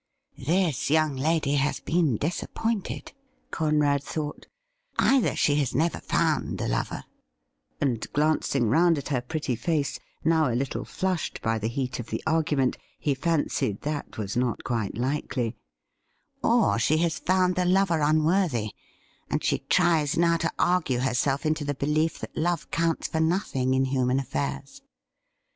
'This young lady has been disappointed,' Conrad thought. 'Either she has never found a lover' — and glancing round at her pretty face, now a little flushed by the heat of the argument, he fancied that was not quite likely —' or she has foimd the lover unworthy, and she tries now to argue herself into the belief that love counts for nothing in human afiairs.'